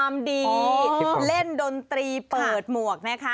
สนุนโดยอีซุสุข